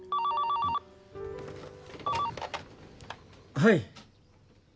☎はい。